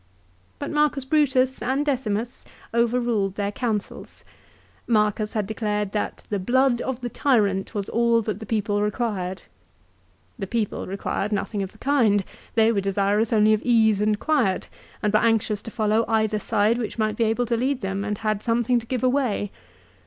But Marcus Brutus, and Decimus, overruled their counsels. Marcus had declared that the " blood of the tyrant was all that the people required." 3 The people required nothing of the kind. They were desirous only of ease and quiet, and were anxious to follow either side which might be able to lead them and had something to give away.